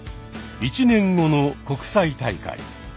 １年後の国際大会。